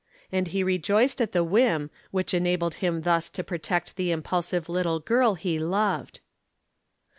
and he rejoiced at the whim which enabled him thus to protect the impulsive little girl he loved.